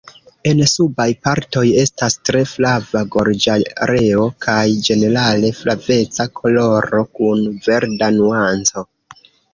En subaj partoj estas tre flava gorĝareo kaj ĝenerale flaveca koloro kun verda nuanco.